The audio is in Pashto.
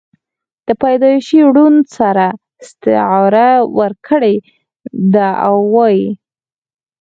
دَپيدائشي ړوند سره استعاره ورکړې ده او وائي: